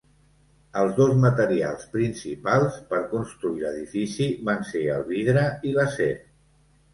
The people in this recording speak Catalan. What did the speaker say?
Els dos materials principals per construir l'edifici van ser el vidre i l'acer.